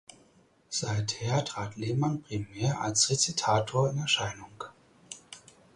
Seither trat Lehmann primär als Rezitator in Erscheinung.